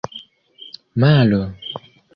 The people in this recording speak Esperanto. malo